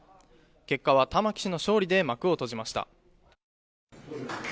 結果は玉木氏の勝利で幕を閉じました。